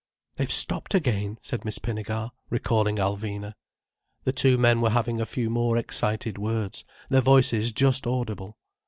"They've stopped again," said Miss Pinnegar, recalling Alvina. The two men were having a few more excited words, their voices just audible.